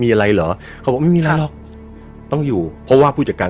อะไรเหรอเขาบอกอยู่ต้องอยู่เพราะว่าผู้จัดการข้อ